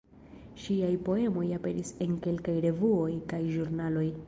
Ŝiaj poemoj aperis en kelkaj revuoj kaj ĵurnaloj.